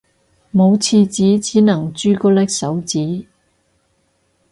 冇廁紙只能朱古力手指